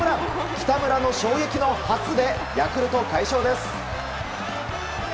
北村の衝撃の初でヤクルト快勝です！